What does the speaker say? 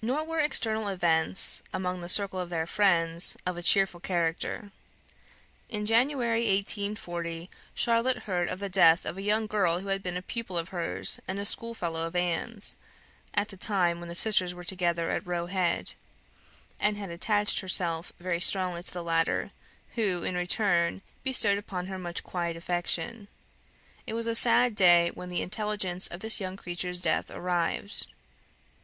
Nor were external events, among the circle of their friends, of a cheerful character. In January, 1840, Charlotte heard of the death of a young girl who had been a pupil of hers, and a schoolfellow of Anne's, at the time when the sisters were together at Roe Head; and had attached herself very strongly to the latter, who, in return, bestowed upon her much quiet affection. It was a sad day when the intelligence of this young creature's death arrived.